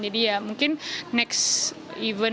jadi ya mungkin next event